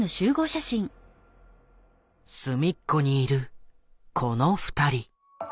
隅っこにいるこの二人。